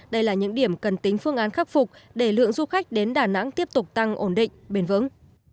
đây là những điểm cần tính phương án khắc phục để lượng du khách đến đà nẵng tiếp tục tăng ổn định bền vững